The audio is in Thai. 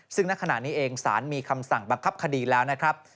ซึ่งณขณะนี้เองสารมีคำสั่งบังคับคดีแล้วนะครับ